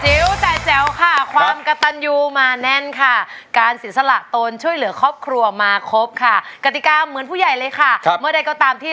จ่ายแจ๋วค่ะความกระตันยูมาแน่นค่ะการเสียสละตนช่วยเหลือครอบครัวมาครบค่ะกติกาเหมือนผู้ใหญ่เลยค่ะเมื่อใดก็ตามที่